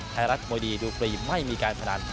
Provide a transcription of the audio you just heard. ไทยรัฐมวยดีดูฟรีไม่มีการพนัน